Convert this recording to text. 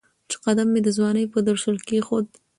چې قدم مې د ځوانۍ په درشل کېښود